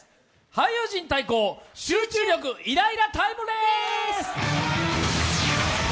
俳優陣対抗集中力イライラタイムレース！